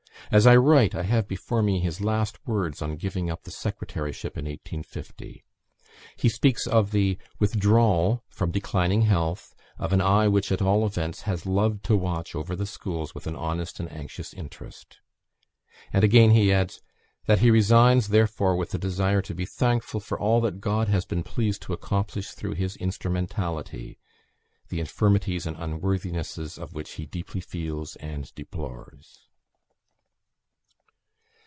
As I write, I have before me his last words on giving up the secretaryship in 1850: he speaks of the "withdrawal, from declining health, of an eye, which, at all events, has loved to watch over the schools with an honest and anxious interest;" and again he adds, "that he resigns, therefore, with a desire to be thankful for all that God has been pleased to accomplish through his instrumentality (the infirmities and unworthinesses of which he deeply feels and deplores)."